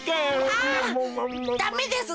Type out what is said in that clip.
あダメです！